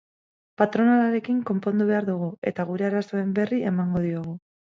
Patronalarekin konpondu behar dugu, eta gure arazoen berri emango diogu.